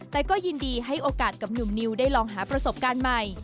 แต่ก็ยินดีให้โอกาสกับหนุ่มนิวได้ลองหาประสบการณ์ใหม่